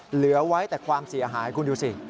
เหลือไว้แต่ความเสียหายคุณดูสิ